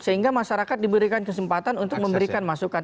sehingga masyarakat diberikan kesempatan untuk memberikan masukan